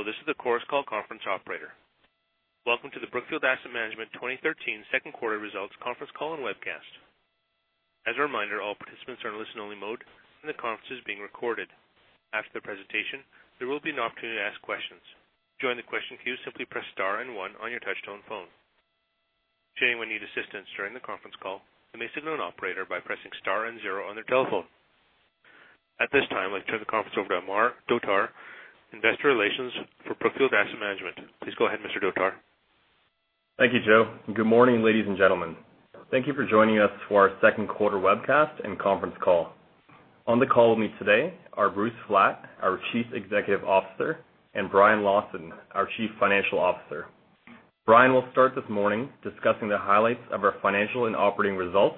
Hello, this is the Chorus Call conference operator. Welcome to the Brookfield Asset Management 2013 second quarter results conference call and webcast. As a reminder, all participants are in listen only mode, and the conference is being recorded. After the presentation, there will be an opportunity to ask questions. To join the question queue, simply press star and one on your touch-tone phone. If anyone needs assistance during the conference call, they may signal an operator by pressing star and zero on their telephone. At this time, I'd like to turn the conference over to Amar Dhotar, Investor Relations for Brookfield Asset Management. Please go ahead, Mr. Dhotar. Thank you, Joe. Good morning, ladies and gentlemen. Thank you for joining us for our second quarter webcast and conference call. On the call with me today are Bruce Flatt, our Chief Executive Officer, and Brian Lawson, our Chief Financial Officer. Brian will start this morning discussing the highlights of our financial and operating results.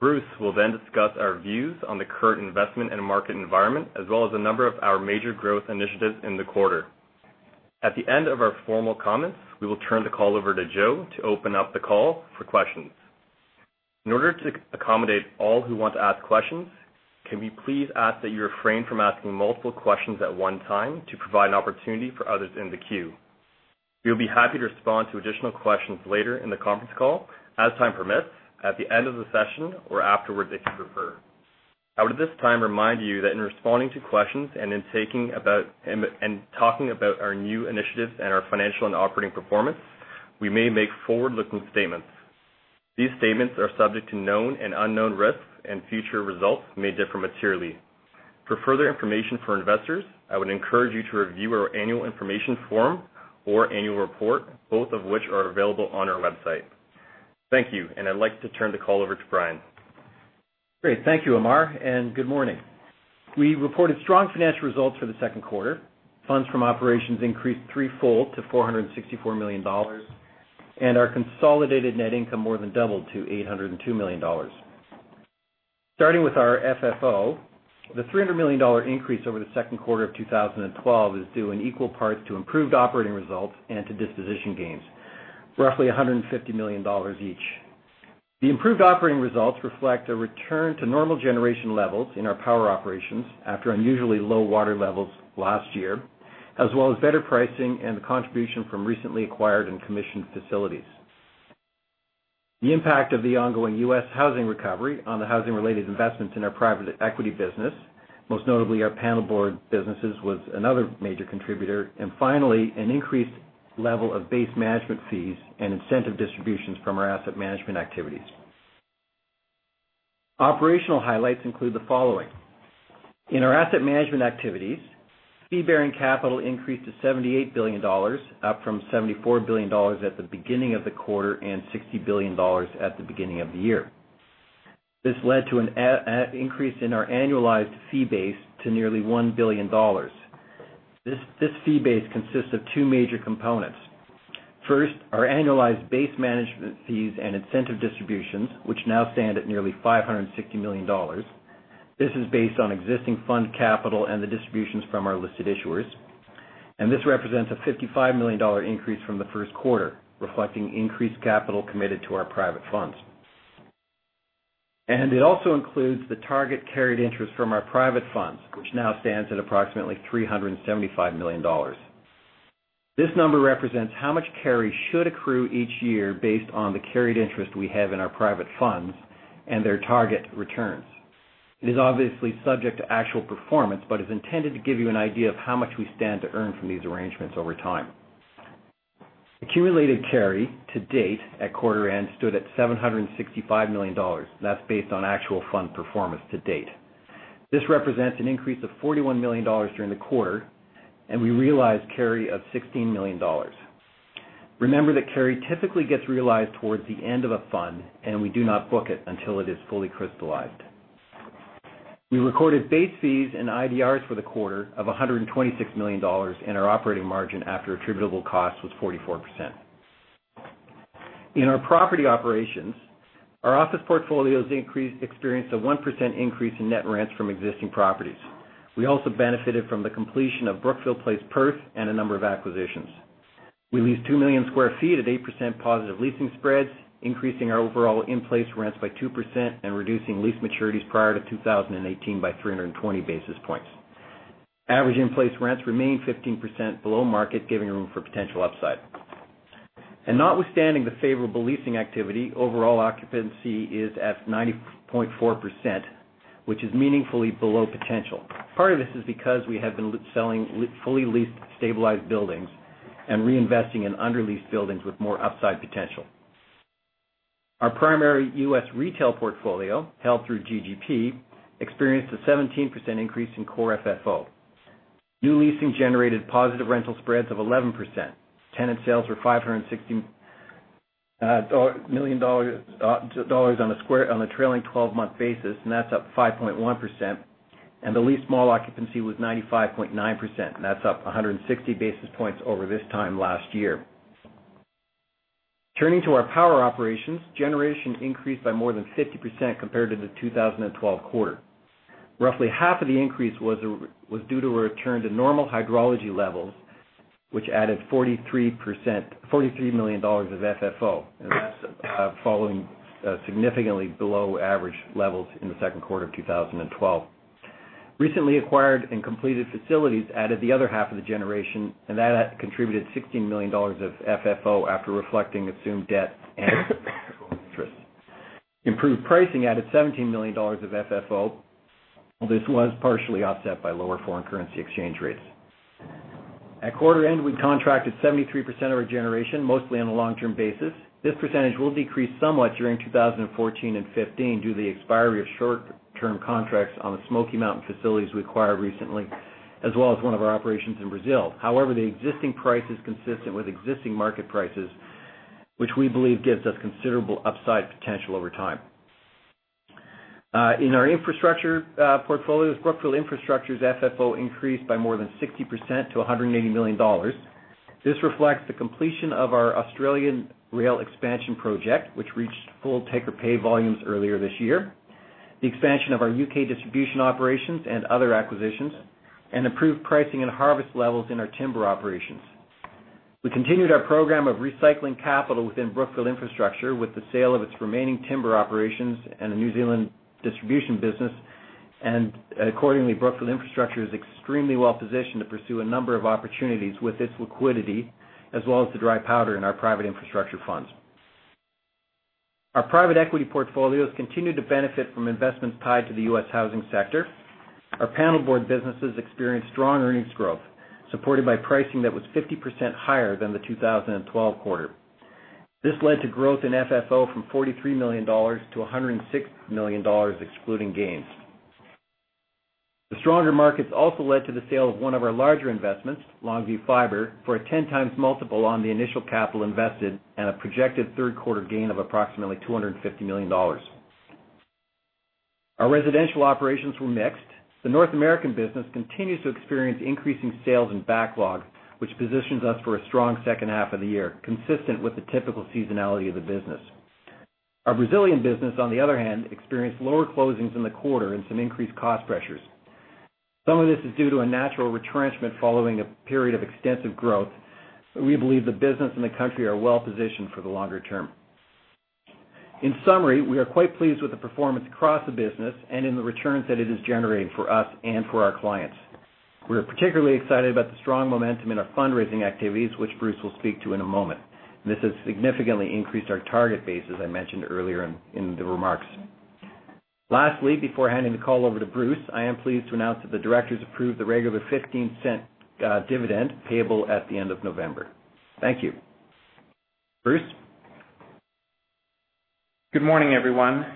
Bruce will discuss our views on the current investment and market environment, as well as a number of our major growth initiatives in the quarter. At the end of our formal comments, we will turn the call over to Joe to open up the call for questions. In order to accommodate all who want to ask questions, can we please ask that you refrain from asking multiple questions at one time to provide an opportunity for others in the queue? We will be happy to respond to additional questions later in the conference call, as time permits, at the end of the session or afterwards if you prefer. I would at this time remind you that in responding to questions and in talking about our new initiatives and our financial and operating performance, we may make forward-looking statements. These statements are subject to known and unknown risks, and future results may differ materially. For further information for investors, I would encourage you to review our annual information form or annual report, both of which are available on our website. Thank you, I'd like to turn the call over to Brian. Great. Thank you, Amar, and good morning. We reported strong financial results for the second quarter. Funds from operations increased threefold to $464 million, and our consolidated net income more than doubled to $802 million. Starting with our FFO, the $300 million increase over the second quarter of 2012 is due in equal parts to improved operating results and to disposition gains, roughly $150 million each. The improved operating results reflect a return to normal generation levels in our power operations after unusually low water levels last year, as well as better pricing and the contribution from recently acquired and commissioned facilities. The impact of the ongoing U.S. housing recovery on the housing-related investments in our private equity business, most notably our panelboard businesses, was another major contributor, and finally, an increased level of base management fees and incentive distributions from our asset management activities. Operational highlights include the following. In our asset management activities, fee-bearing capital increased to $78 billion, up from $74 billion at the beginning of the quarter and $60 billion at the beginning of the year. This led to an increase in our annualized fee base to nearly $1 billion. This fee base consists of two major components. First, our annualized base management fees and incentive distributions, which now stand at nearly $560 million. This is based on existing fund capital and the distributions from our listed issuers. This represents a $55 million increase from the first quarter, reflecting increased capital committed to our private funds. It also includes the target carried interest from our private funds, which now stands at approximately $375 million. This number represents how much carry should accrue each year based on the carried interest we have in our private funds and their target returns. It is obviously subject to actual performance but is intended to give you an idea of how much we stand to earn from these arrangements over time. Accumulated carry to date at quarter end stood at $765 million. That's based on actual fund performance to date. This represents an increase of $41 million during the quarter, and we realized carry of $16 million. Remember that carry typically gets realized towards the end of a fund, and we do not book it until it is fully crystallized. We recorded base fees and IDRs for the quarter of $126 million, and our operating margin after attributable costs was 44%. In our property operations, our office portfolios experienced a 1% increase in net rents from existing properties. We also benefited from the completion of Brookfield Place Perth and a number of acquisitions. We leased 2 million sq ft at 8% positive leasing spreads, increasing our overall in-place rents by 2% and reducing lease maturities prior to 2018 by 320 basis points. Average in-place rents remain 15% below market, giving room for potential upside. Notwithstanding the favorable leasing activity, overall occupancy is at 90.4%, which is meaningfully below potential. Part of this is because we have been selling fully leased, stabilized buildings and reinvesting in under-leased buildings with more upside potential. Our primary U.S. retail portfolio, held through GGP, experienced a 17% increase in core FFO. New leasing generated positive rental spreads of 11%. Tenant sales were $560 million on a trailing 12-month basis, and that's up 5.1%. The leased mall occupancy was 95.9%, and that's up 160 basis points over this time last year. Turning to our power operations, generation increased by more than 50% compared to the 2012 quarter. Roughly half of the increase was due to a return to normal hydrology levels which added $43 million of FFO. That's following significantly below average levels in the second quarter of 2012. Recently acquired and completed facilities added the other half of the generation, and that contributed $16 million of FFO after reflecting assumed debt and interest. Improved pricing added $17 million of FFO, although this was partially offset by lower foreign currency exchange rates. At quarter end, we contracted 73% of our generation, mostly on a long-term basis. This percentage will decrease somewhat during 2014 and 2015 due to the expiry of short-term contracts on the Smoky Mountain facilities we acquired recently, as well as one of our operations in Brazil. However, the existing price is consistent with existing market prices, which we believe gives us considerable upside potential over time. In our infrastructure portfolios, Brookfield Infrastructure's FFO increased by more than 60% to $180 million. This reflects the completion of our Australian rail expansion project, which reached full take-or-pay volumes earlier this year, the expansion of our U.K. distribution operations and other acquisitions, and improved pricing and harvest levels in our timber operations. Accordingly, Brookfield Infrastructure is extremely well-positioned to pursue a number of opportunities with its liquidity, as well as the dry powder in our private infrastructure funds. Our private equity portfolios continued to benefit from investments tied to the U.S. housing sector. Our panelboard businesses experienced strong earnings growth, supported by pricing that was 50% higher than the 2012 quarter. This led to growth in FFO from $43 million to $106 million, excluding gains. The stronger markets also led to the sale of one of our larger investments, Longview Fibre, for a 10 times multiple on the initial capital invested and a projected third quarter gain of approximately $250 million. Our residential operations were mixed. The North American business continues to experience increasing sales and backlog, which positions us for a strong second half of the year, consistent with the typical seasonality of the business. Our Brazilian business, on the other hand, experienced lower closings in the quarter and some increased cost pressures. Some of this is due to a natural retrenchment following a period of extensive growth. We believe the business and the country are well-positioned for the longer term. In summary, we are quite pleased with the performance across the business and in the returns that it is generating for us and for our clients. We're particularly excited about the strong momentum in our fundraising activities, which Bruce will speak to in a moment. This has significantly increased our target base, as I mentioned earlier in the remarks. Lastly, before handing the call over to Bruce, I am pleased to announce that the directors approved the regular $0.15 dividend payable at the end of November. Thank you. Bruce? Good morning, everyone.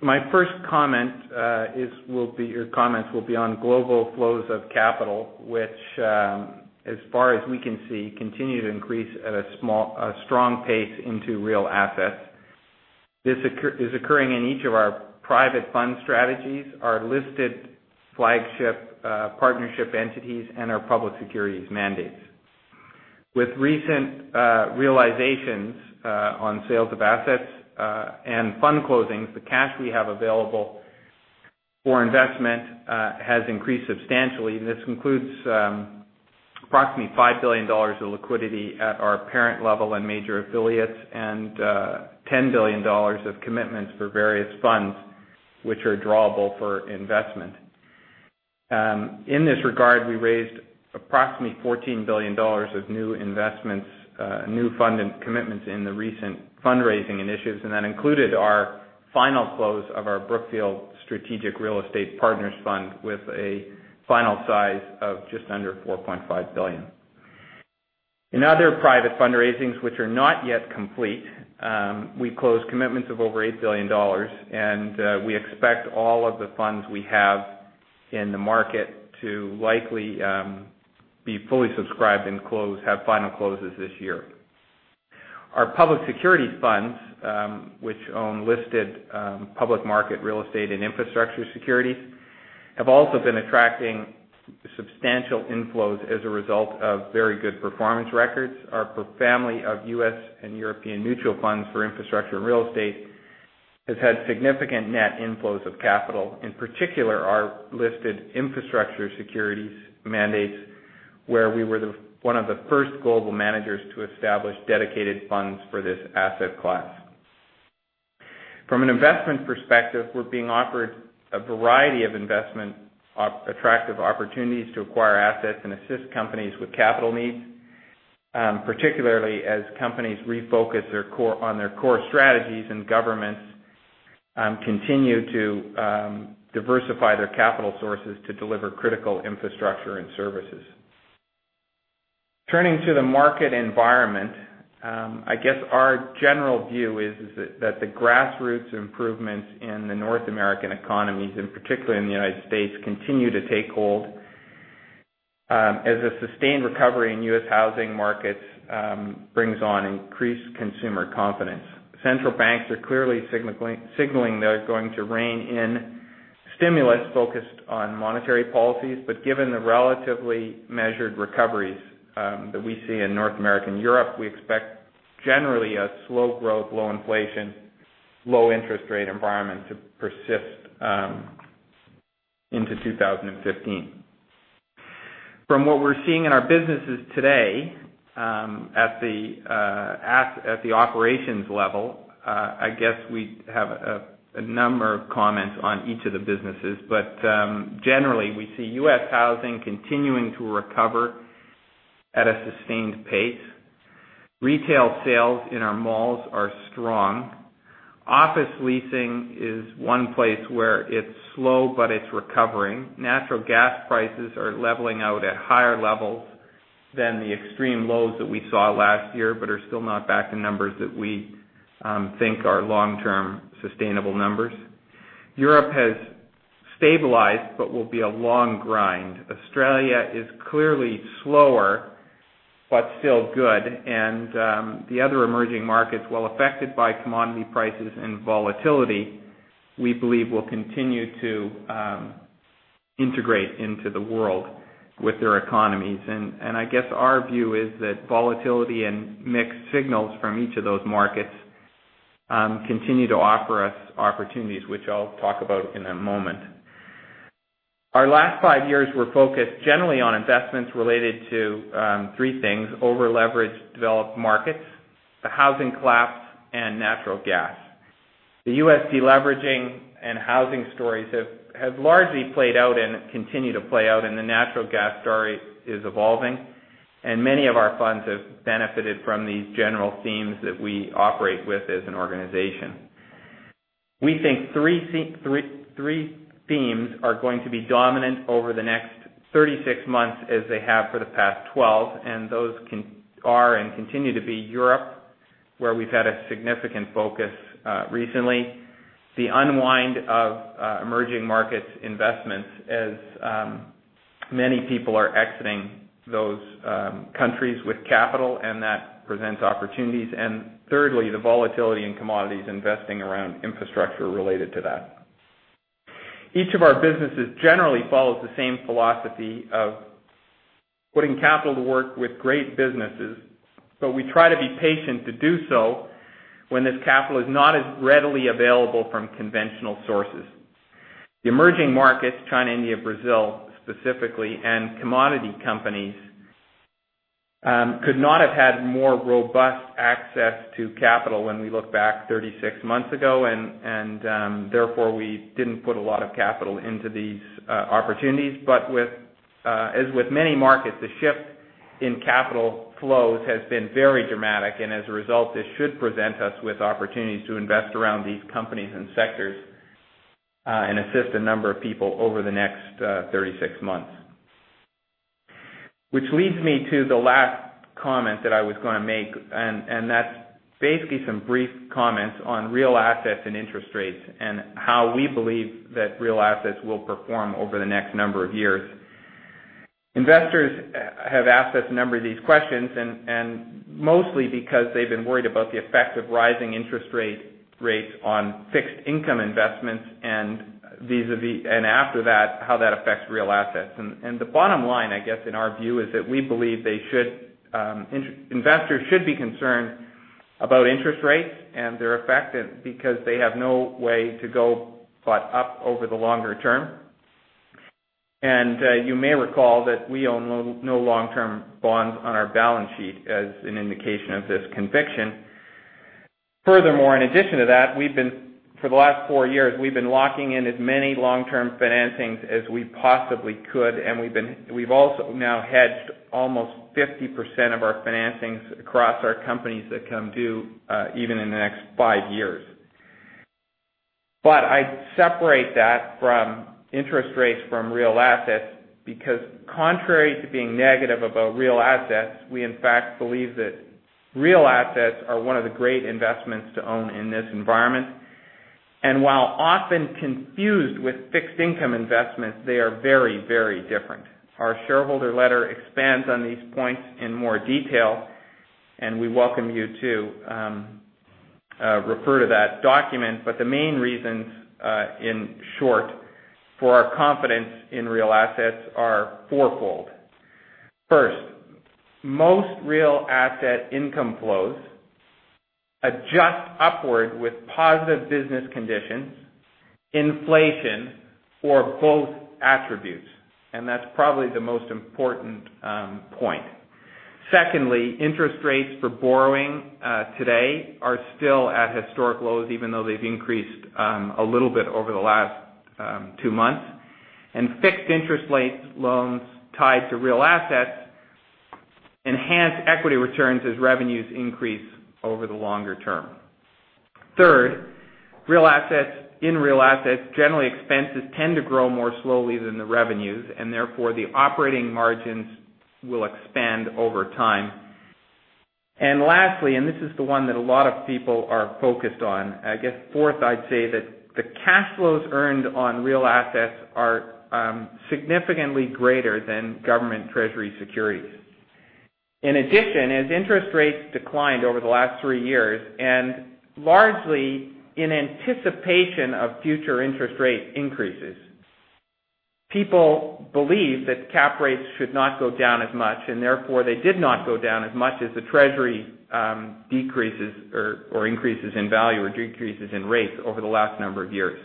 My first comments will be on global flows of capital, which, as far as we can see, continue to increase at a strong pace into real assets. This is occurring in each of our private fund strategies, our listed flagship partnership entities, and our public securities mandates. With recent realizations on sales of assets and fund closings, the cash we have available for investment has increased substantially. This includes approximately $5 billion of liquidity at our parent level and major affiliates, and $10 billion of commitments for various funds, which are drawable for investment. In this regard, we raised approximately $14 billion of new investments, new fund commitments in the recent fundraising initiatives, and that included our final close of our Brookfield Strategic Real Estate Partners Fund with a final size of just under $4.5 billion. In other private fundraisings, which are not yet complete, we closed commitments of over $8 billion. We expect all of the funds we have in the market to likely be fully subscribed and have final closes this year. Our public securities funds, which own listed public market real estate and infrastructure securities, have also been attracting substantial inflows as a result of very good performance records. Our family of U.S. and European mutual funds for infrastructure and real estate has had significant net inflows of capital. In particular, our listed infrastructure securities mandates, where we were one of the first global managers to establish dedicated funds for this asset class. From an investment perspective, we're being offered a variety of investment-attractive opportunities to acquire assets and assist companies with capital needs, particularly as companies refocus on their core strategies and governments continue to diversify their capital sources to deliver critical infrastructure and services. Turning to the market environment, I guess our general view is that the grassroots improvements in the North American economies, and particularly in the United States, continue to take hold as a sustained recovery in U.S. housing markets brings on increased consumer confidence. Central banks are clearly signaling they're going to rein in stimulus focused on monetary policies. Given the relatively measured recoveries that we see in North America and Europe, we expect generally a slow growth, low inflation, low interest rate environment to persist into 2015. From what we're seeing in our businesses today, at the operations level, I guess we have a number of comments on each of the businesses. Generally, we see U.S. housing continuing to recover at a sustained pace. Retail sales in our malls are strong. Office leasing is one place where it's slow, but it's recovering. Natural gas prices are leveling out at higher levels than the extreme lows that we saw last year, but are still not back to numbers that we think are long-term sustainable numbers. Europe has stabilized but will be a long grind. Australia is clearly slower, but still good. The other emerging markets, while affected by commodity prices and volatility, we believe will continue to integrate into the world with their economies. I guess our view is that volatility and mixed signals from each of those markets continue to offer us opportunities, which I'll talk about in a moment. Our last five years were focused generally on investments related to three things: over-leveraged developed markets, the housing collapse, and natural gas. The U.S. deleveraging and housing stories have largely played out and continue to play out, and the natural gas story is evolving. Many of our funds have benefited from these general themes that we operate with as an organization. We think three themes are going to be dominant over the next 36 months, as they have for the past 12. Those are and continue to be Europe, where we've had a significant focus recently. The unwind of emerging markets investments as many people are exiting those countries with capital, and that presents opportunities. Thirdly, the volatility in commodities, investing around infrastructure related to that. Each of our businesses generally follows the same philosophy of putting capital to work with great businesses, but we try to be patient to do so when this capital is not as readily available from conventional sources. The emerging markets, China, India, Brazil specifically, and commodity companies could not have had more robust access to capital when we look back 36 months ago. Therefore, we didn't put a lot of capital into these opportunities. As with many markets, the shift in capital flows has been very dramatic. As a result, this should present us with opportunities to invest around these companies and sectors and assist a number of people over the next 36 months. Which leads me to the last comment that I was going to make. That's basically some brief comments on real assets and interest rates and how we believe that real assets will perform over the next number of years. Investors have asked us a number of these questions, and mostly because they've been worried about the effect of rising interest rates on fixed income investments and after that, how that affects real assets. The bottom line, I guess, in our view, is that we believe investors should be concerned about interest rates and their effect because they have no way to go but up over the longer term. You may recall that we own no long-term bonds on our balance sheet as an indication of this conviction. Furthermore, in addition to that, for the last four years, we've been locking in as many long-term financings as we possibly could. We've also now hedged almost 50% of our financings across our companies that come due even in the next five years. I separate that from interest rates from real assets because contrary to being negative about real assets, we in fact believe that real assets are one of the great investments to own in this environment. While often confused with fixed income investments, they are very different. Our shareholder letter expands on these points in more detail, and we welcome you to refer to that document. The main reasons, in short, for our confidence in real assets are fourfold. First, most real asset income flows adjust upward with positive business conditions, inflation, or both attributes. That's probably the most important point. Secondly, interest rates for borrowing today are still at historic lows, even though they've increased a little bit over the last two months. Fixed interest loans tied to real assets enhance equity returns as revenues increase over the longer term. Third, in real assets, generally expenses tend to grow more slowly than the revenues, and therefore the operating margins will expand over time. Lastly, this is the one that a lot of people are focused on. I guess fourth, I'd say that the cash flows earned on real assets are significantly greater than government treasury securities. In addition, as interest rates declined over the last three years and largely in anticipation of future interest rate increases, people believe that cap rates should not go down as much, and therefore, they did not go down as much as the Treasury decreases or increases in value or decreases in rates over the last number of years.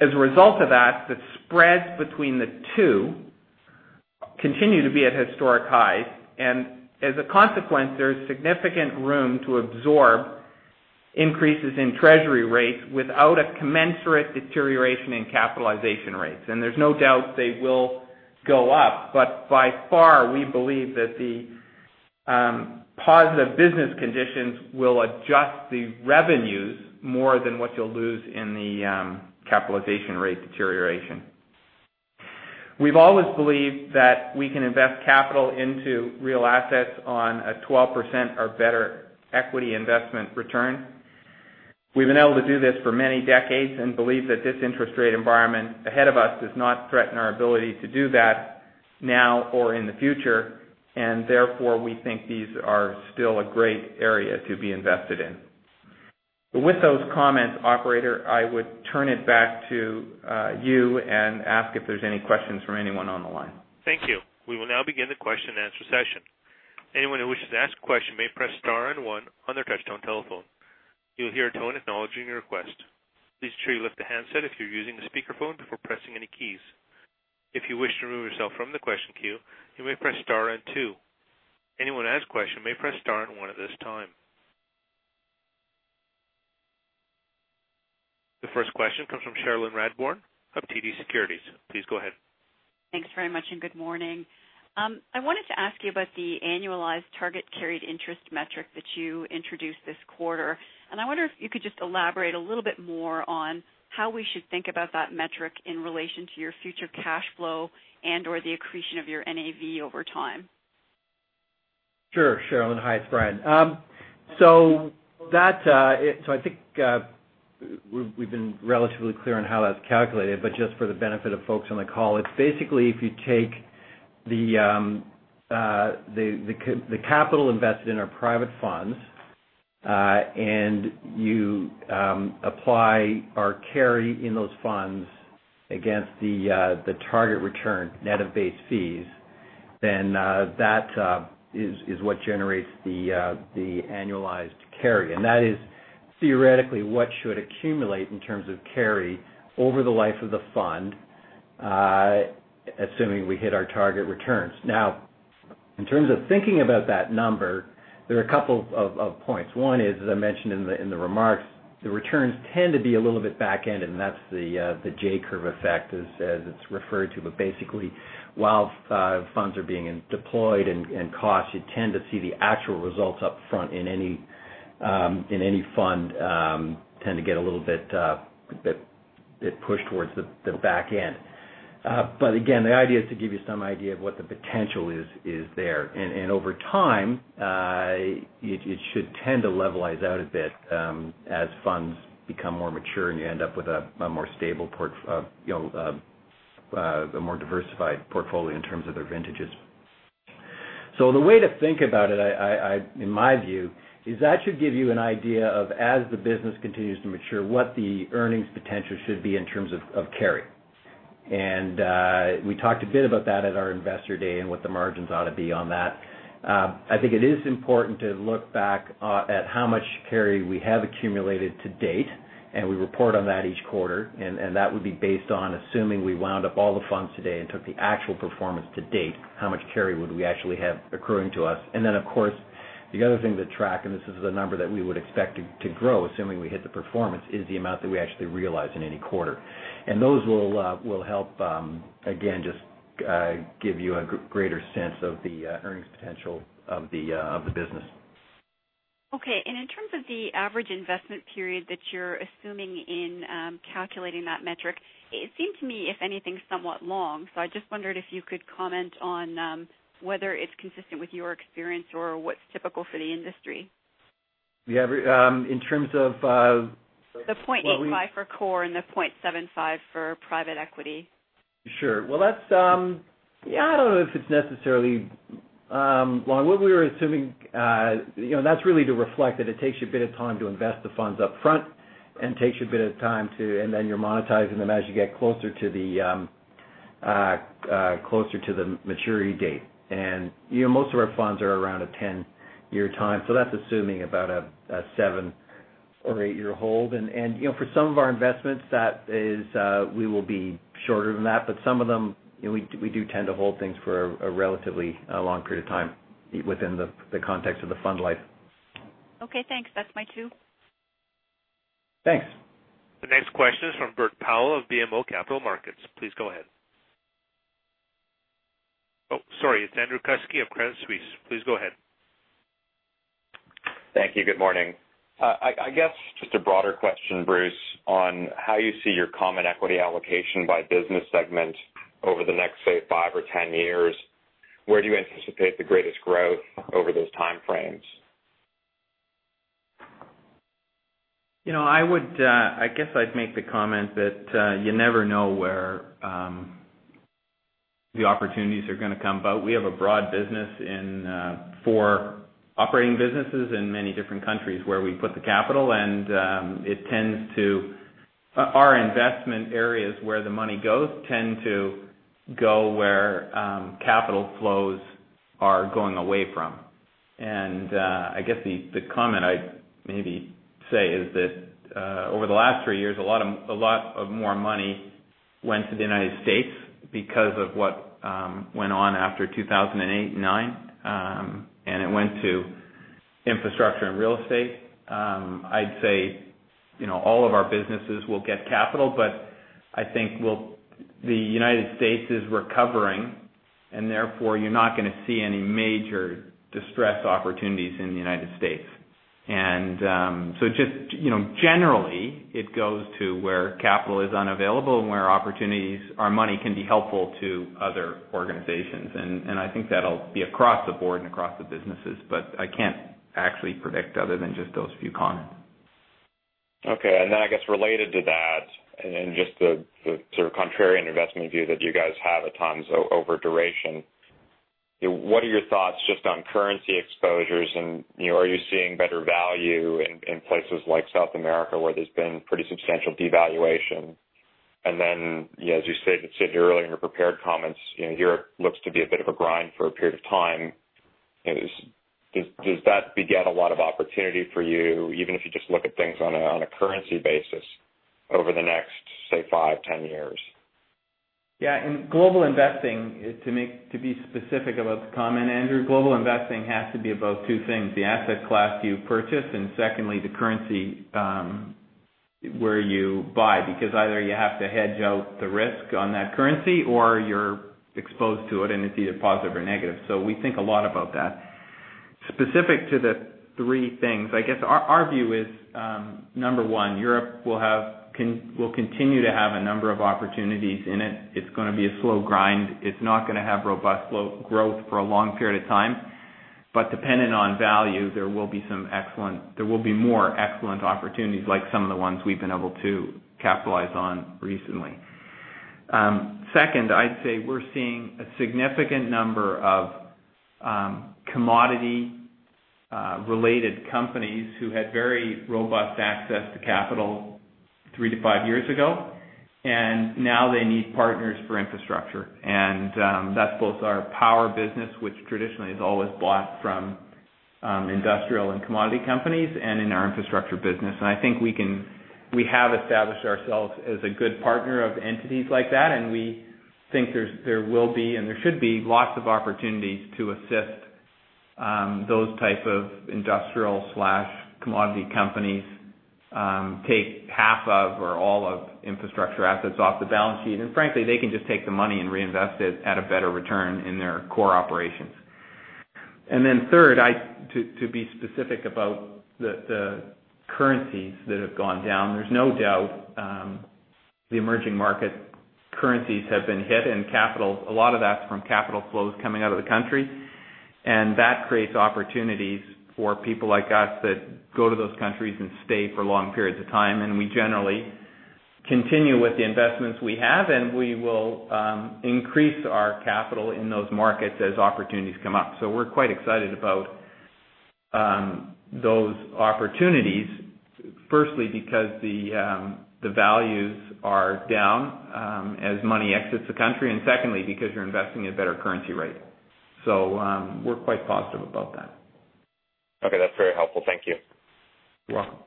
As a result of that, the spreads between the two continue to be at historic highs, and as a consequence, there's significant room to absorb increases in Treasury rates without a commensurate deterioration in capitalization rates. There's no doubt they will go up, but by far, we believe that the positive business conditions will adjust the revenues more than what you'll lose in the capitalization rate deterioration. We've always believed that we can invest capital into real assets on a 12% or better equity investment return. We've been able to do this for many decades and believe that this interest rate environment ahead of us does not threaten our ability to do that now or in the future. Therefore, we think these are still a great area to be invested in. With those comments, operator, I would turn it back to you and ask if there's any questions from anyone on the line. Thank you. We will now begin the question and answer session. Anyone who wishes to ask a question may press star and one on their touchtone telephone. You'll hear a tone acknowledging your request. Please ensure you lift the handset if you're using the speakerphone before pressing any keys. If you wish to remove yourself from the question queue, you may press star and two. Anyone to ask a question may press star and one at this time. The first question comes from Cherilyn Radbourne of TD Securities. Please go ahead. Thanks very much. Good morning. I wanted to ask you about the annualized target carried interest metric that you introduced this quarter. I wonder if you could just elaborate a little bit more on how we should think about that metric in relation to your future cash flow and/or the accretion of your NAV over time. Sure, Cherilyn. Hi, it's Brian. I think we've been relatively clear on how that's calculated, but just for the benefit of folks on the call, it's basically if you take the capital invested in our private funds, you apply our carry in those funds against the target return net of base fees, then that is what generates the annualized carry. That is theoretically what should accumulate in terms of carry over the life of the fund, assuming we hit our target returns. In terms of thinking about that number, there are a couple of points. One is, as I mentioned in the remarks, the returns tend to be a little bit backended, and that's the J-curve effect, as it's referred to. Basically, while funds are being deployed and cost, you tend to see the actual results up front in any fund tend to get a little bit pushed towards the back end. Again, the idea is to give you some idea of what the potential is there. Over time, it should tend to levelize out a bit as funds become more mature and you end up with a more diversified portfolio in terms of their vintages. The way to think about it, in my view, is that should give you an idea of as the business continues to mature, what the earnings potential should be in terms of carry. We talked a bit about that at our investor day and what the margins ought to be on that. I think it is important to look back at how much carry we have accumulated to date, we report on that each quarter, that would be based on assuming we wound up all the funds today and took the actual performance to date, how much carry would we actually have accruing to us. Then, of course, the other thing to track, and this is the number that we would expect to grow, assuming we hit the performance, is the amount that we actually realize in any quarter. Those will help, again, just give you a greater sense of the earnings potential of the business. Okay. In terms of the average investment period that you're assuming in calculating that metric, it seemed to me, if anything, somewhat long. I just wondered if you could comment on whether it's consistent with your experience or what's typical for the industry. In terms of- The $0.85 for core and the $0.75 for private equity. Sure. Well, I don't know if it's necessarily long. What we were assuming, that's really to reflect that it takes you a bit of time to invest the funds up front. Then you're monetizing them as you get closer to the maturity date. Most of our funds are around a 10-year time. That's assuming about a seven or eight-year hold. For some of our investments, we will be shorter than that. Some of them, we do tend to hold things for a relatively long period of time within the context of the fund life. Okay, thanks. That's my two. Thanks. The next question is from Bert Powell of BMO Capital Markets. Please go ahead. Oh, sorry. It's Andrew Kuske of Credit Suisse. Please go ahead. Thank you. Good morning. I guess just a broader question, Bruce, on how you see your common equity allocation by business segment over the next, say, five or 10 years. Where do you anticipate the greatest growth over those time frames? I guess I'd make the comment that you never know where the opportunities are going to come, but we have a broad business in four operating businesses in many different countries where we put the capital, and our investment areas where the money goes tend to go where capital flows are going away from. I guess the comment I'd maybe say is that over the last three years, a lot of more money went to the United States because of what went on after 2008 and 2009, and it went to infrastructure and real estate. I'd say all of our businesses will get capital, but I think the United States is recovering, therefore, you're not going to see any major distressed opportunities in the United States. Just generally, it goes to where capital is unavailable and where our money can be helpful to other organizations. I think that'll be across the board and across the businesses, but I can't actually predict other than just those few comments. Okay. Then I guess related to that and just the sort of contrarian investment view that you guys have at times over duration, what are your thoughts just on currency exposures? Are you seeing better value in places like South America where there's been pretty substantial devaluation? Then as you said earlier in your prepared comments, Europe looks to be a bit of a grind for a period of time. Does that beget a lot of opportunity for you, even if you just look at things on a currency basis over the next, say, five, 10 years? Yeah. To be specific about the comment, Andrew, global investing has to be about two things, the asset class you purchase, and secondly, the currency where you buy. Either you have to hedge out the risk on that currency or you're exposed to it, and it's either positive or negative. We think a lot about that. Specific to the three things, I guess our view is, number one, Europe will continue to have a number of opportunities in it. It's going to be a slow grind. It's not going to have robust growth for a long period of time. Dependent on value, there will be more excellent opportunities like some of the ones we've been able to capitalize on recently. Second, I'd say we're seeing a significant number of commodity-related companies who had very robust access to capital three to five years ago, and now they need partners for infrastructure. That's both our power business, which traditionally has always bought from industrial and commodity companies, and in our infrastructure business. I think we have established ourselves as a good partner of entities like that, and we think there will be, and there should be lots of opportunities to assist those type of industrial/commodity companies take half of or all of infrastructure assets off the balance sheet. Frankly, they can just take the money and reinvest it at a better return in their core operations. Third, to be specific about the currencies that have gone down, there's no doubt the emerging market currencies have been hit, and a lot of that's from capital flows coming out of the country. That creates opportunities for people like us that go to those countries and stay for long periods of time. We generally continue with the investments we have, and we will increase our capital in those markets as opportunities come up. We're quite excited about those opportunities, firstly, because the values are down as money exits the country, and secondly, because you're investing at a better currency rate. We're quite positive about that. Okay. That's very helpful. Thank you. You're welcome.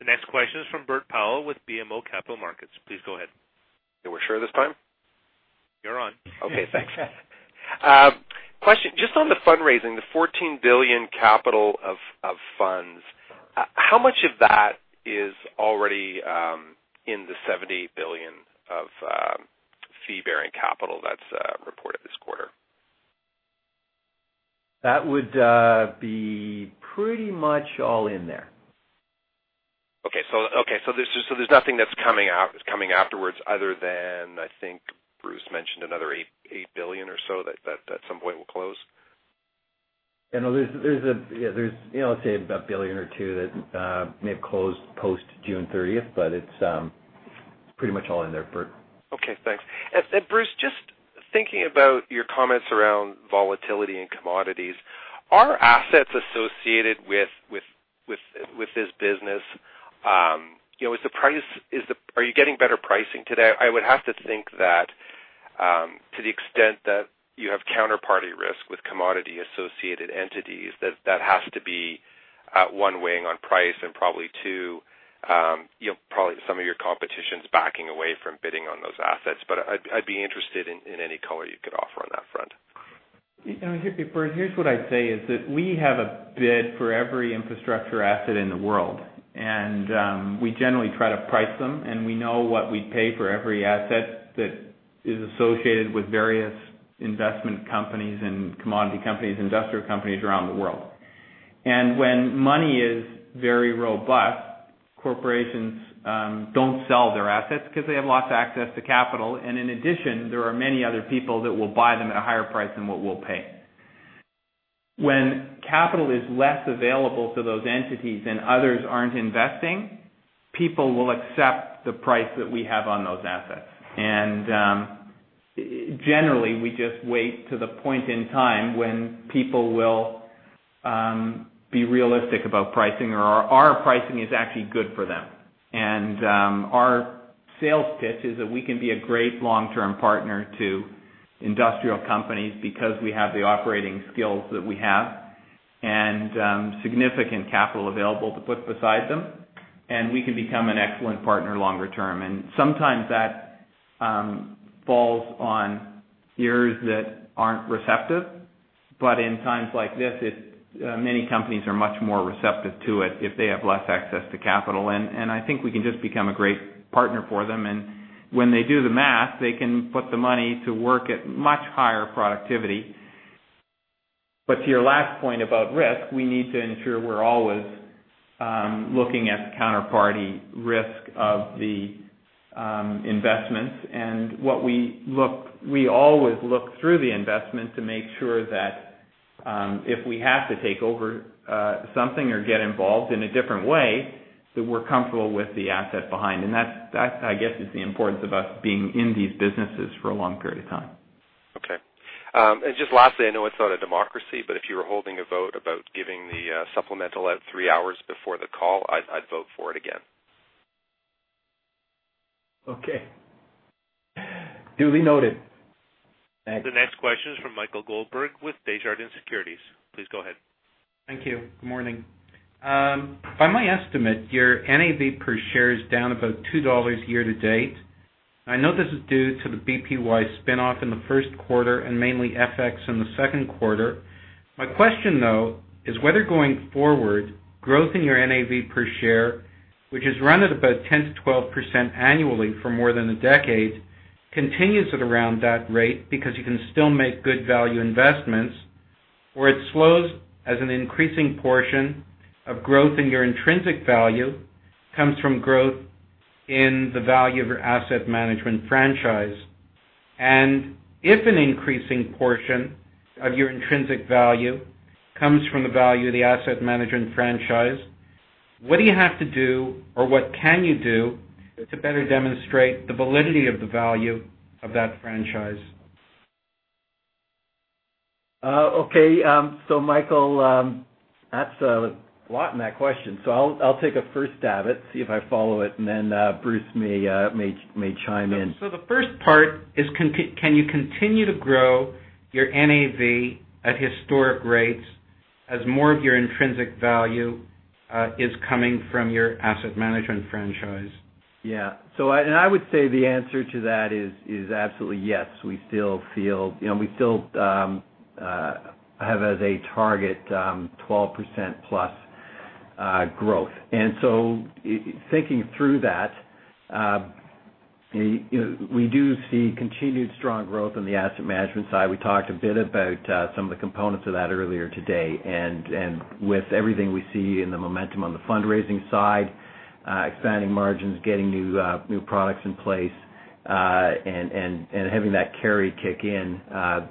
The next question is from Bert Powell with BMO Capital Markets. Please go ahead. We're sure this time? You're on. Okay, thanks. Question, just on the fundraising, the $14 billion capital of funds, how much of that is already in the $78 billion of fee-bearing capital that's reported this quarter? That would be pretty much all in there. Okay. there's nothing that's coming afterwards other than, I think Bruce mentioned another eight billion or so that some point will close. There's, let's say about a billion or two that may have closed post June 30th, but it's pretty much all in there, Bert. Okay, thanks. Bruce, just thinking about your comments around volatility in commodities, are assets associated with this business, are you getting better pricing today? I would have to think that to the extent that you have counterparty risk with commodity-associated entities, that has to be at one, weighing on price and probably, two, some of your competition's backing away from bidding on those assets. I'd be interested in any color you could offer on that front. Bert, here's what I'd say is that we have a bid for every infrastructure asset in the world, we generally try to price them, we know what we'd pay for every asset that is associated with various investment companies and commodity companies, industrial companies around the world. When money is very robust, corporations don't sell their assets because they have lots of access to capital. In addition, there are many other people that will buy them at a higher price than what we'll pay. When capital is less available to those entities and others aren't investing, people will accept the price that we have on those assets. Generally, we just wait to the point in time when people will be realistic about pricing or our pricing is actually good for them. Our sales pitch is that we can be a great long-term partner to industrial companies because we have the operating skills that we have and significant capital available to put beside them, we can become an excellent partner longer term. Sometimes that falls on ears that aren't receptive. In times like this, many companies are much more receptive to it if they have less access to capital. I think we can just become a great partner for them. When they do the math, they can put the money to work at much higher productivity. To your last point about risk, we need to ensure we're always looking at counterparty risk of the investments. We always look through the investment to make sure that, if we have to take over something or get involved in a different way, that we're comfortable with the asset behind. That, I guess, is the importance of us being in these businesses for a long period of time. Okay. Just lastly, I know it's not a democracy, but if you were holding a vote about giving the supplemental out three hours before the call, I'd vote for it again. Okay. Duly noted. Thanks. The next question is from Michael Goldberg with Desjardins Securities. Please go ahead. Thank you. Good morning. By my estimate, your NAV per share is down about $2 year-to-date. I know this is due to the BPY spinoff in the first quarter and mainly FX in the second quarter. My question, though, is whether going forward, growth in your NAV per share, which has run at about 10%-12% annually for more than a decade, continues at around that rate because you can still make good value investments, or it slows as an increasing portion of growth in your intrinsic value comes from growth in the value of your Asset Management franchise. If an increasing portion of your intrinsic value comes from the value of the Asset Management franchise, what do you have to do or what can you do to better demonstrate the validity of the value of that franchise? Okay. Michael, that's a lot in that question. I'll take a first stab at, see if I follow it, and then Bruce may chime in. The first part is, can you continue to grow your NAV at historic rates as more of your intrinsic value is coming from your Asset Management franchise? Yeah. I would say the answer to that is absolutely yes. We still have as a target, 12% plus growth. Thinking through that, we do see continued strong growth in the Asset Management side. We talked a bit about some of the components of that earlier today, with everything we see in the momentum on the fundraising side, expanding margins, getting new products in place, and having that carry kick in,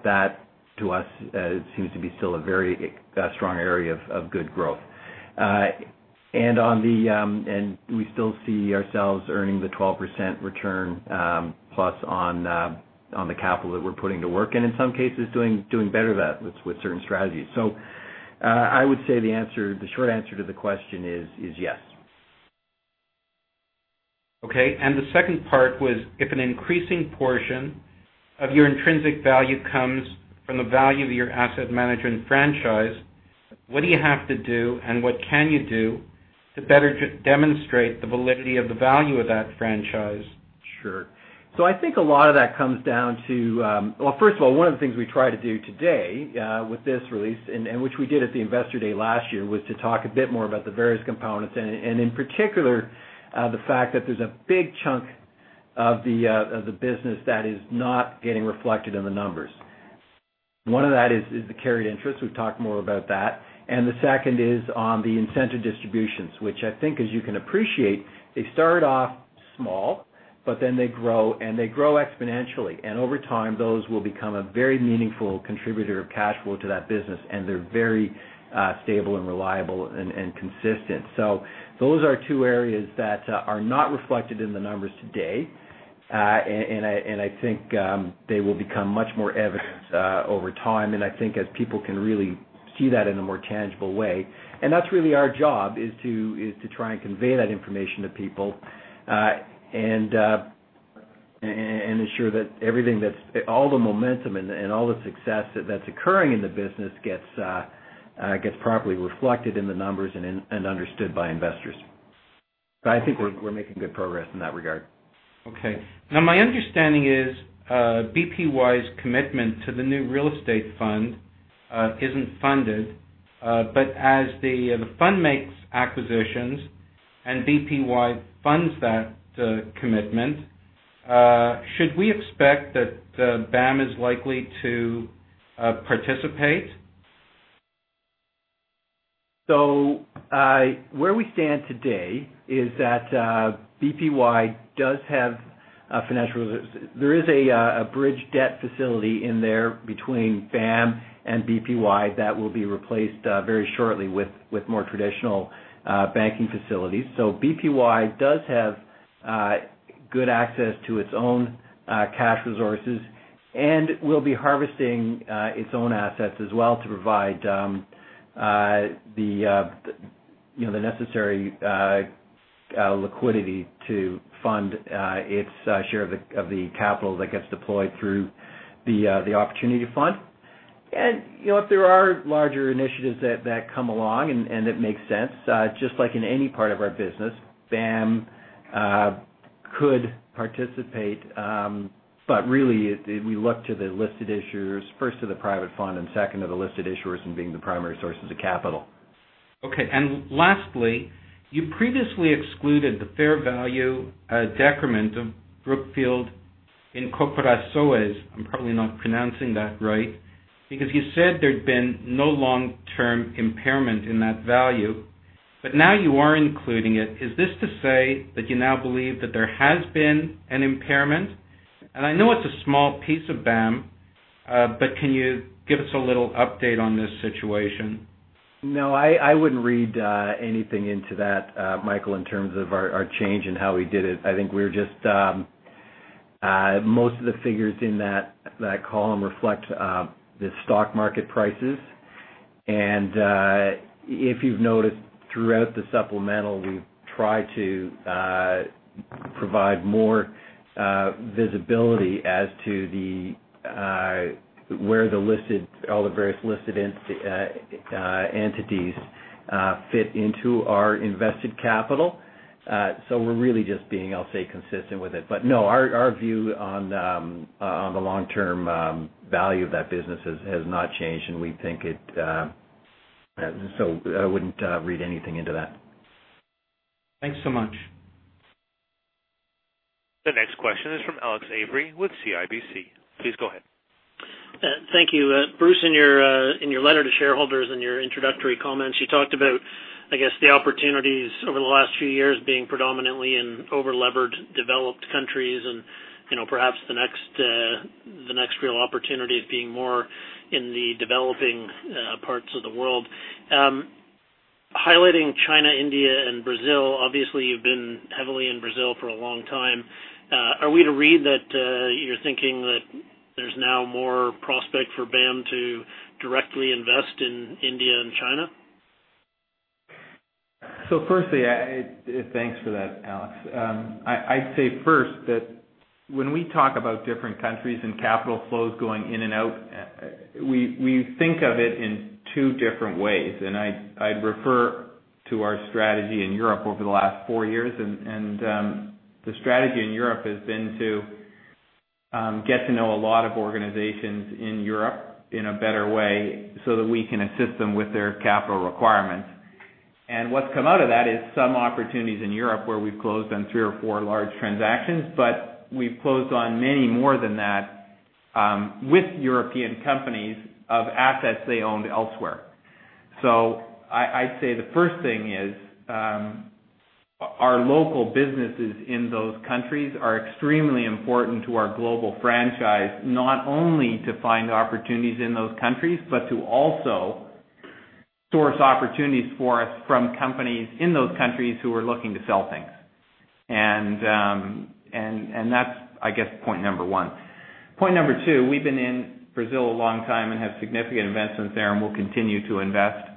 that to us seems to be still a very strong area of good growth. We still see ourselves earning the 12% return plus on the capital that we're putting to work. In some cases, doing better than that with certain strategies. I would say the short answer to the question is yes. Okay. The second part was, if an increasing portion of your intrinsic value comes from the value of your asset management franchise, what do you have to do and what can you do to better demonstrate the validity of the value of that franchise? Sure. I think a lot of that, first of all, one of the things we try to do today, with this release, and which we did at the investor day last year, was to talk a bit more about the various components, and in particular, the fact that there's a big chunk of the business that is not getting reflected in the numbers. One of that is the carried interest. We've talked more about that. The second is on the incentive distributions, which I think as you can appreciate, they start off small, they grow and they grow exponentially. Over time, those will become a very meaningful contributor of cash flow to that business, and they're very stable and reliable and consistent. Those are two areas that are not reflected in the numbers today. I think they will become much more evident over time. I think as people can really see that in a more tangible way. That's really our job, is to try and convey that information to people, and ensure that all the momentum and all the success that's occurring in the business gets properly reflected in the numbers and understood by investors. I think we're making good progress in that regard. Okay. Now, my understanding is BPY's commitment to the new real estate fund isn't funded. As the fund makes acquisitions and BPY funds that commitment, should we expect that BAM is likely to participate? Where we stand today is that BPY does have financial resources. There is a bridge debt facility in there between BAM and BPY that will be replaced very shortly with more traditional banking facilities. BPY does have good access to its own cash resources, and will be harvesting its own assets as well to provide the necessary liquidity to fund its share of the capital that gets deployed through the opportunity fund. If there are larger initiatives that come along and it makes sense, just like in any part of our business, BAM could participate. Really, we look to the listed issuers, first to the private fund and second to the listed issuers in being the primary sources of capital. Okay. Lastly, you previously excluded the fair value decrement of Brookfield Incorporações. I'm probably not pronouncing that right. You said there'd been no long-term impairment in that value, but now you are including it. Is this to say that you now believe that there has been an impairment? I know it's a small piece of BAM, but can you give us a little update on this situation? No, I wouldn't read anything into that, Michael, in terms of our change in how we did it. I think most of the figures in that column reflect the stock market prices. If you've noticed throughout the supplemental, we've tried to provide more visibility as to where all the various listed entities fit into our invested capital. We're really just being, I'll say, consistent with it. No, our view on the long-term value of that business has not changed, I wouldn't read anything into that. Thanks so much. The next question is from Alex Avery with CIBC. Please go ahead. Thank you. Bruce, in your letter to shareholders, in your introductory comments, you talked about, I guess, the opportunities over the last few years being predominantly in over-levered developed countries and perhaps the next real opportunity of being more in the developing parts of the world. Highlighting China, India, and Brazil. Obviously, you've been heavily in Brazil for a long time. Are we to read that you're thinking that there's now more prospect for BAM to directly invest in India and China? Firstly, thanks for that, Alex. I'd say first that when we talk about different countries and capital flows going in and out, we think of it in two different ways. I'd refer to our strategy in Europe over the last four years, the strategy in Europe has been to get to know a lot of organizations in Europe in a better way, so that we can assist them with their capital requirements. What's come out of that is some opportunities in Europe where we've closed on three or four large transactions, but we've closed on many more than that with European companies of assets they owned elsewhere. I'd say the first thing is, our local businesses in those countries are extremely important to our global franchise, not only to find opportunities in those countries, but to also source opportunities for us from companies in those countries who are looking to sell things. That's, I guess, point number 1. Point number 2, we've been in Brazil a long time and have significant investments there and will continue to invest.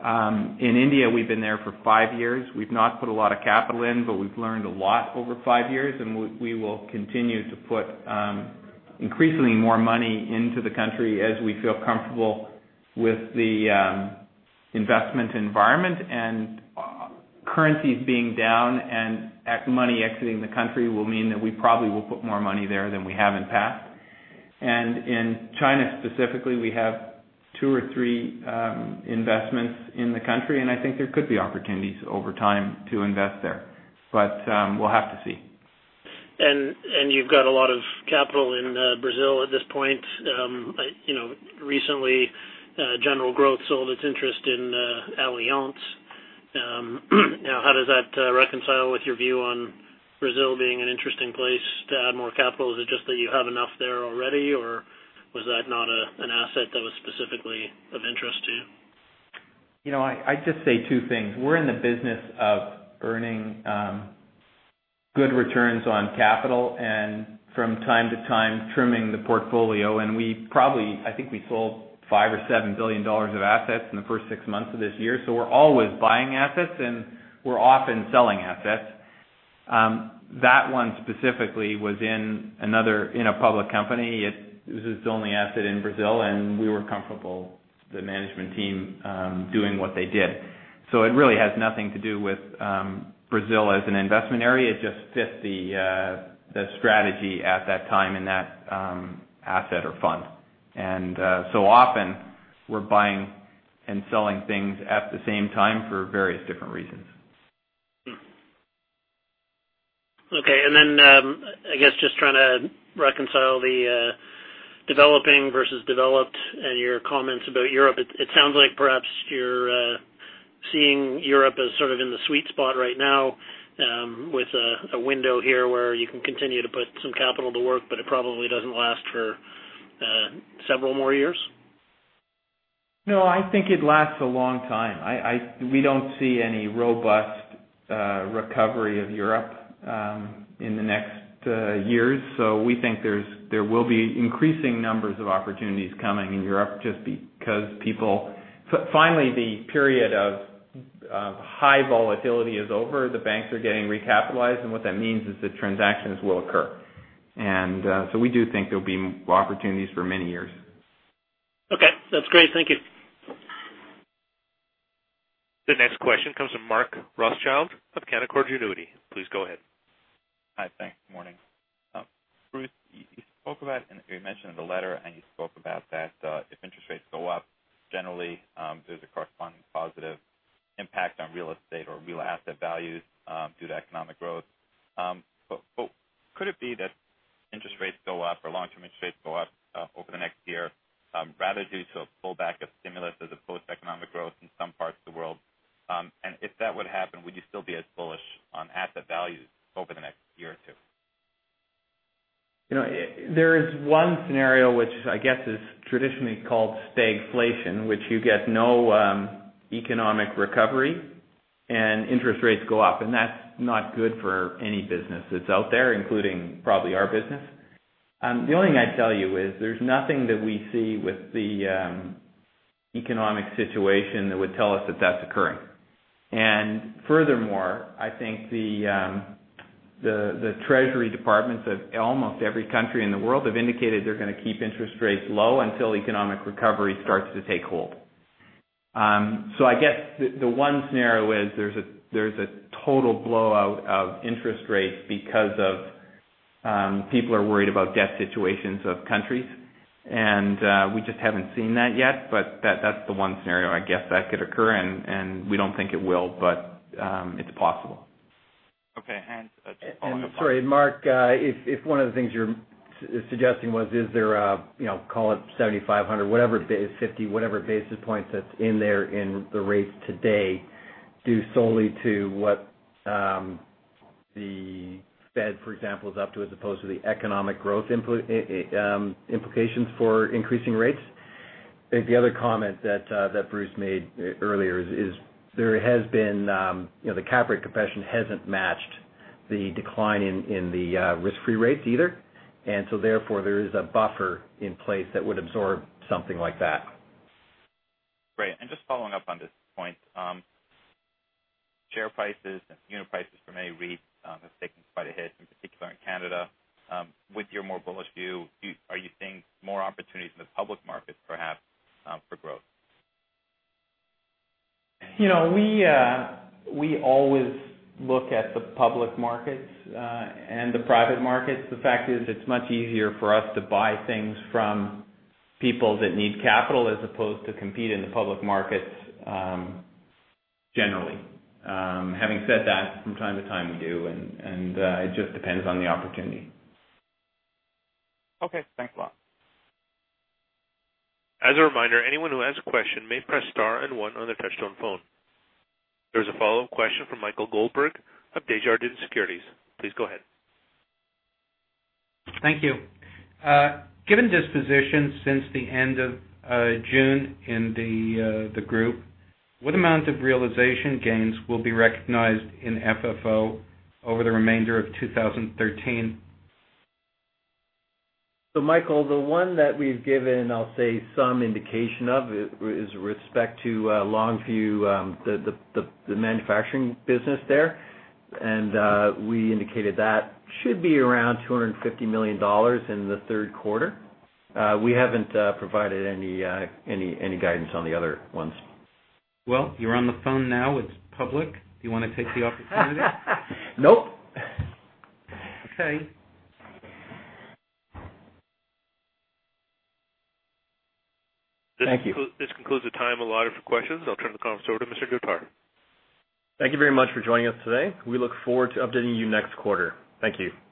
In India, we've been there for five years. We've not put a lot of capital in, but we've learned a lot over five years, and we will continue to put increasingly more money into the country as we feel comfortable with the investment environment. Currencies being down and money exiting the country will mean that we probably will put more money there than we have in the past. In China specifically, we have two or three investments in the country, and I think there could be opportunities over time to invest there. We'll have to see. You've got a lot of capital in Brazil at this point. Recently, General Growth sold its interest in Aliansce. How does that reconcile with your view on Brazil being an interesting place to add more capital? Is it just that you have enough there already, or was that not an asset that was specifically of interest to you? I'd just say two things. We're in the business of earning good returns on capital and from time to time trimming the portfolio, and I think we sold $5 billion or $7 billion of assets in the first six months of this year. We're always buying assets, and we're often selling assets. That one specifically was in a public company. It was its only asset in Brazil, and we were comfortable with the management team doing what they did. It really has nothing to do with Brazil as an investment area. It just fit the strategy at that time in that asset or fund. Often we're buying and selling things at the same time for various different reasons. Okay. I guess just trying to reconcile the developing versus developed and your comments about Europe. It sounds like perhaps you're seeing Europe as sort of in the sweet spot right now, with a window here where you can continue to put some capital to work, but it probably doesn't last for several more years. No, I think it lasts a long time. We don't see any robust recovery of Europe in the next years. We think there will be increasing numbers of opportunities coming in Europe just because finally, the period of high volatility is over. The banks are getting recapitalized, and what that means is that transactions will occur. We do think there'll be more opportunities for many years. Okay. That's great. Thank you. The next question comes from Mark Rothschild of Canaccord Genuity. Please go ahead. Hi, thanks. Morning. Bruce, you spoke about, and you mentioned in the letter, and you spoke about that if interest rates go up generally, there's a corresponding positive impact on real estate or real asset values due to economic growth. Could it be that interest rates go up or long-term interest rates go up over the next year, rather due to a pullback of stimulus as opposed to economic growth in some parts of the world? If that would happen, would you still be as bullish on asset values over the next year or two? There is one scenario which I guess is traditionally called stagflation, which you get no economic recovery and interest rates go up, and that's not good for any business that's out there, including probably our business. The only thing I'd tell you is there's nothing that we see with the economic situation that would tell us that that's occurring. Furthermore, I think the treasury departments of almost every country in the world have indicated they're going to keep interest rates low until economic recovery starts to take hold. I guess the one scenario is there's a total blowout of interest rates because of people are worried about debt situations of countries, and we just haven't seen that yet. That's the one scenario, I guess, that could occur, and we don't think it will, but it's possible. Okay, and just following up on- Sorry, Mark, if one of the things you're suggesting was, is there a, call it 75, 100, whatever, 50, whatever basis points that's in there in the rates today, due solely to what the Fed, for example, is up to as opposed to the economic growth implications for increasing rates. I think the other comment that Bruce made earlier is the cap rate compression hasn't matched the decline in the risk-free rates either. So therefore, there is a buffer in place that would absorb something like that. Great. Just following up on this point. Share prices and unit prices for many REITs have taken quite a hit, in particular in Canada. With your more bullish view, are you seeing more opportunities in the public markets, perhaps, for growth? We always look at the public markets and the private markets. The fact is, it's much easier for us to buy things from people that need capital as opposed to compete in the public markets, generally. Having said that, from time to time, we do, and it just depends on the opportunity. Okay. Thanks a lot. As a reminder, anyone who has a question may press star and one on their touch-tone phone. There's a follow-up question from Michael Goldberg of Desjardins Securities. Please go ahead. Thank you. Given dispositions since the end of June in the group, what amount of realization gains will be recognized in FFO over the remainder of 2013? Michael, the one that we've given, I'll say some indication of, is with respect to Longview, the manufacturing business there. We indicated that should be around $250 million in the third quarter. We haven't provided any guidance on the other ones. Well, you're on the phone now. It's public. Do you want to take the opportunity? Nope. Okay. Thank you. This concludes the time allotted for questions. I'll turn the call over to Mr. Ankur Gupta. Thank you very much for joining us today. We look forward to updating you next quarter. Thank you.